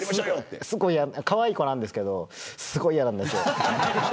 かわいい子なんですけどすごい嫌なんです。